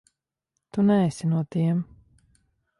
Tu neesi no tiem.